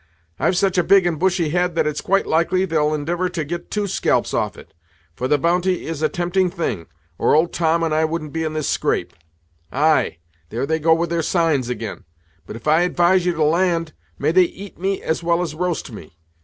I've such a big and bushy head that it's quite likely they'll indivor to get two scalps off it, for the bounty is a tempting thing, or old Tom and I wouldn't be in this scrape. Ay there they go with their signs ag'in, but if I advise you to land may they eat me as well as roast me.